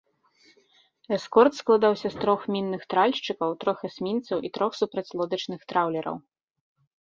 Эскорт складаўся з трох мінных тральшчыкаў, трох эсмінцаў і трох супрацьлодачных траўлераў.